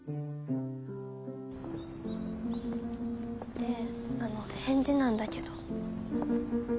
であの返事なんだけど。